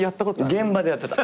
現場でやってた。